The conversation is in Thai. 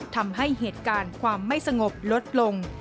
ทำให้เหตุการณ์ความไม่สงบลดลง